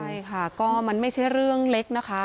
ใช่ค่ะก็มันไม่ใช่เรื่องเล็กนะคะ